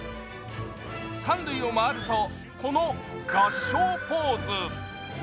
三塁を回るとこの合掌ポーズ。